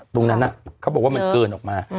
ตรงนั้นเขาบอกว่ามันเกินออกมา